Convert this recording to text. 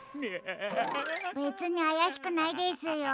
べつにあやしくないですよ。